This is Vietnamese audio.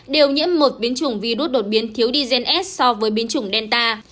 đều nhiễm một biến chủng virus đột biến thiếu dgs so với biến chủng delta